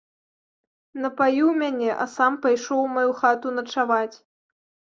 Напаіў мяне, а сам пайшоў у маю хату начаваць.